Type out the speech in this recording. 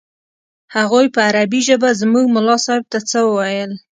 هغوى په عربي ژبه زموږ ملا صاحب ته څه وويل.